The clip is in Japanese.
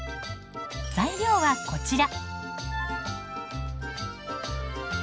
材料はこちら。